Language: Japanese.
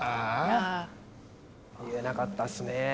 言えなかったっすね。